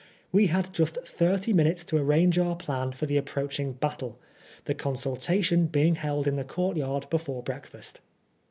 We had just thirty minutes to arrange our plan for the approaching battle, the con sultation being held in the courtyard before breakfast.